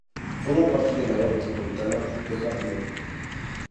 Forma parte del Área metropolitana de Ardmore.